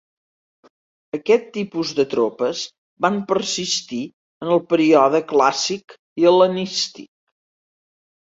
Aquest tipus de tropes van persistir en el període clàssic i hel·lenístic.